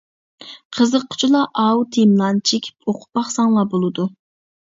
قىزىققۇچىلار ئاۋۇ تېمىلارنى چېكىپ ئوقۇپ باقساڭلار بولىدۇ.